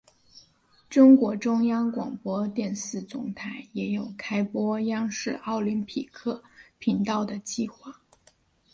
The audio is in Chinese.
中国中央广播电视总台也有开播央视奥林匹克频道的计划。